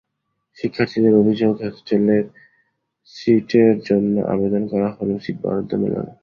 শিক্ষার্থীদের অভিযোগ, হোস্টেলে সিটের জন্য আবেদন করা হলেও সিট বরাদ্দ মেলে না।